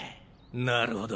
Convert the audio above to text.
なるほど。